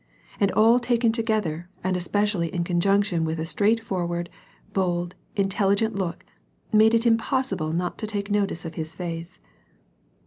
and all taken together and especially in conjunction with a straightfor ward, bold, intelligent look, made it impossible not to take notice of his face.